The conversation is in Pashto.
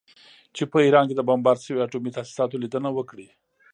چې په ایران کې د بمبارد شویو اټومي تاسیساتو لیدنه وکړي